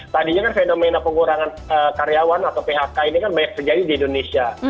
tadinya kan fenomena pengurangan karyawan atau phk ini kan banyak terjadi di indonesia